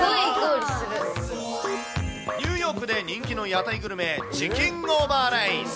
ニューヨークで人気の屋台グルメ、チキンオーバーライス。